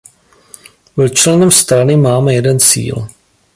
Byl členem strany Máme jeden cíl.